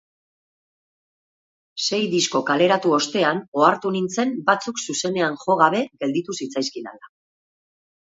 Sei disko kaleratu ostean ohartu nintzen batzuk zuzenean jo gabe gelditu zitzaizkidala.